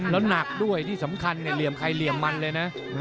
แล้วหนักด้วยที่สำคัญเนี่ยเหลี่ยมใครเหลี่ยมมันเลยนะ